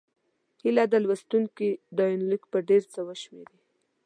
هيله ده لوستونکي دا یونلیک په ډېر څه وشمېري.